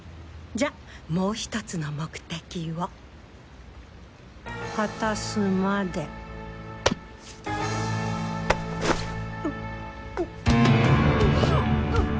じゃあもうひとつの目的を果たすまでうっ